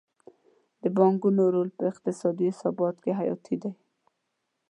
د بانکونو رول په اقتصادي ثبات کې حیاتي دی.